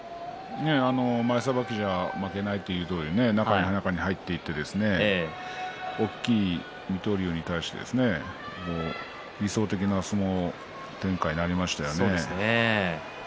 前さばきでは負けないというところで中に入っていって大きい水戸龍に対して理想的な相撲展開になりましたね。